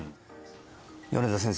米田先生